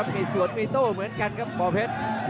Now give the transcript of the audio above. มีสวนมีโต้เหมือนกันครับบ่อเพชร